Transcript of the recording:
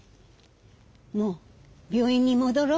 もう病院にもどろう。